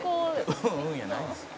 「“うんうん”やないですよ」